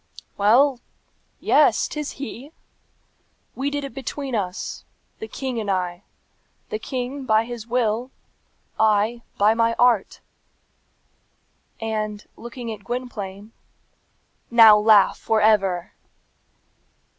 Well yes; 'tis he! We did it between us the king and I: the king, by his will; I, by my art!" And looking at Gwynplaine, "Now laugh for ever!"